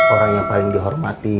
orang yang paling dihormati